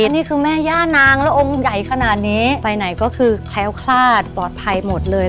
นี่คือแม่ย่านางแล้วองค์ใหญ่ขนาดนี้ไปไหนก็คือแคล้วคลาดปลอดภัยหมดเลย